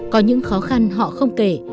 có những khó khăn họ không kể